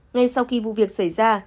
ngay sau khi vụ việc xảy ra